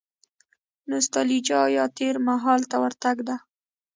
نو ستالجیا یا تېر مهال ته ورتګ ده.